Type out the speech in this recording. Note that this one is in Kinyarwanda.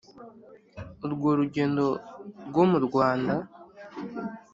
urwo rugendo rwo mu rwanda